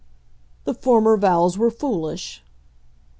"The former vows were foolish."